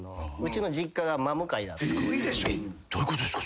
どういうことですか？